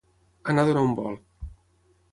Anar a donar un volt.